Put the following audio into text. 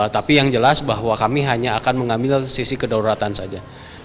tapi yang jelas bahwa kami hanya akan mengambil sisi kedaulatan saja